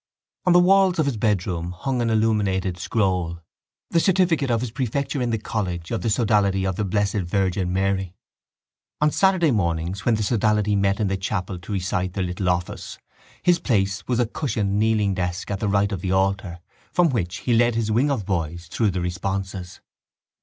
On the wall of his bedroom hung an illuminated scroll, the certificate of his prefecture in the college of the sodality of the Blessed Virgin Mary. On Saturday mornings when the sodality met in the chapel to recite the little office his place was a cushioned kneeling desk at the right of the altar from which he led his wing of boys through the responses.